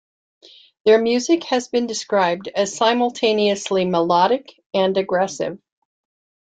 Their music has been described as simultaneously melodic and aggressive.